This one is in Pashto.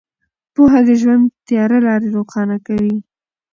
پوهه د ژوند تیاره لارې روښانه کوي.